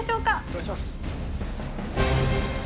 お願いします。